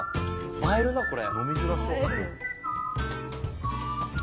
映えるなこれ。